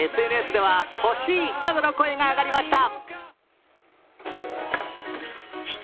ＳＮＳでは、欲しいなどの声が上がりました。